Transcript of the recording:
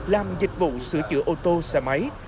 làm dịch vụ sửa chữa ô tô xe máy